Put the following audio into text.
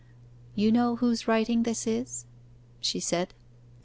'You know whose writing this is?' she said.